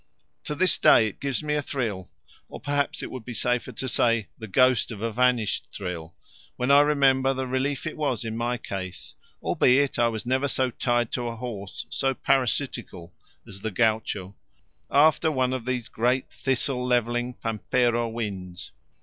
To this day it gives me a thrill, or perhaps it would be safer to say the ghost of a vanished thrill, when I remember the relief it was in my case, albeit I was never so tied to a horse, so parasitical, as the gaucho, after one of these great thistle levelling pampero winds.